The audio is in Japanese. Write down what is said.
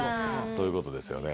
そういうことですよね。